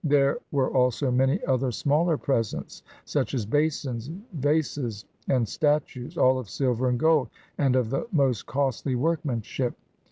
There were also many other smaller presents, such as basins, vases, and statues, all of silver and gold, and of the most costly workmanship.